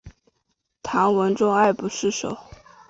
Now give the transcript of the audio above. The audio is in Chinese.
唐文宗爱不释手。